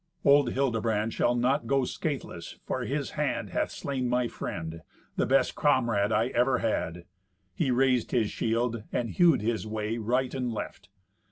"Old Hildebrand shall not go scatheless, for his hand hath slain my friend, the best comrade I ever had." He raised his shield, and hewed his way right and left.